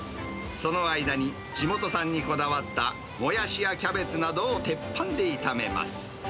その間に、地元産にこだわったモヤシやキャベツなどを鉄板で炒めます。